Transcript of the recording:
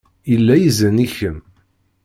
Yella izen i kemm.